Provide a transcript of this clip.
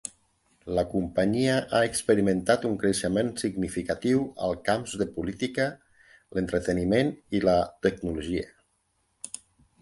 La companyia ha experimentat un creixement significatiu als camps de política, l'entreteniment i la tecnologia.